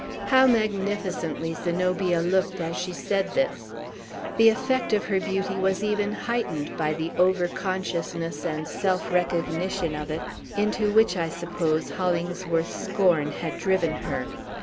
How magnificently Zenobia looked as she said this! The effect of her beauty was even heightened by the over consciousness and self recognition of it, into which, I suppose, Hollingsworth's scorn had driven her.